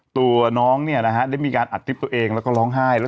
ตัวน้องเนี่ยนะฮะได้มีการอัดคลิปตัวเองแล้วก็ร้องไห้แล้ว